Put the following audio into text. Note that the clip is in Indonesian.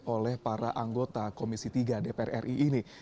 oleh para anggota komisi tiga dpr ri ini